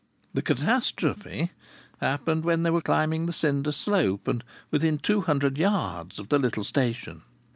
The catastrophe happened when they were climbing the cinder slope and within two hundred yards of the little station.